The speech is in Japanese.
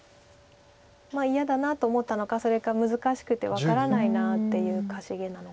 嫌だなと思ったのかそれか難しくて分からないなっていうかしげなのか。